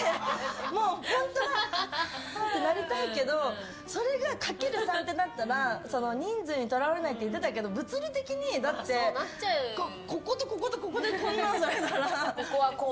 もう本当にはあってやりたいけどそれが、かける３ってなったら人数にとらわれないって言ってたけど物理的にこことこことここでこんなんされたら。